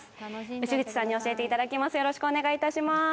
牛口さんに教えていただきます。